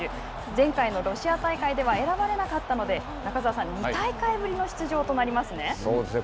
前回のロシア大会では選ばれなかったので中澤さん、２大会ぶりの出場となそうですね。